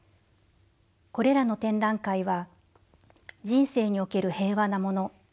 「これらの展覧会は人生における平和なもの。